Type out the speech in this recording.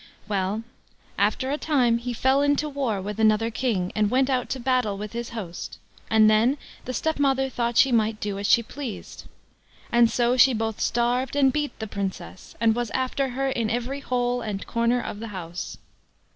Well, after a time, he fell into war with another King, and went out to battle with his host, and then the stepmother thought she might do as she pleased; and so she both starved and beat the Princess, and was after her in every hole and corner of the house.